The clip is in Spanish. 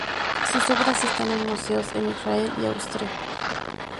Sus obras están en museos en Israel y Austria.